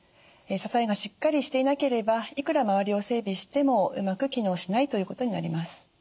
支えがしっかりしていなければいくら周りを整備してもうまく機能しないということになります。